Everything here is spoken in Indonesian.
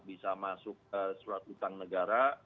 bisa masuk surat utang negara